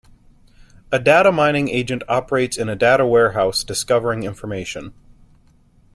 A data mining agent operates in a data warehouse discovering information.